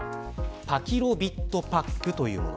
パキロビッドパックというもの。